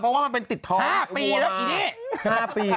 เพราะว่ามันเป็นติดท้อง